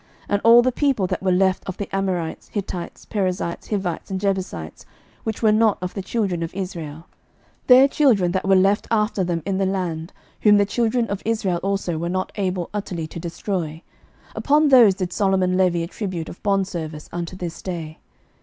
11:009:020 And all the people that were left of the Amorites, Hittites, Perizzites, Hivites, and Jebusites, which were not of the children of Israel, 11:009:021 Their children that were left after them in the land, whom the children of Israel also were not able utterly to destroy, upon those did Solomon levy a tribute of bondservice unto this day.